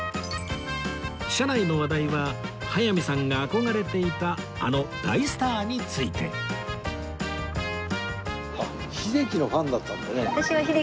車内の話題は早見さんが憧れていたあの大スターについてへえそうなんですね。